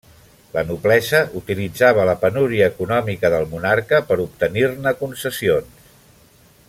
La noblesa utilitzava la penúria econòmica del monarca per obtenir-ne concessions.